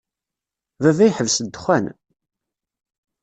Baba yeḥbes ddexxan.